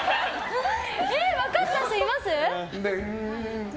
分かった人います？